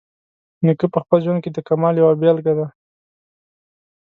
نیکه په خپل ژوند کې د کمال یوه بیلګه ده.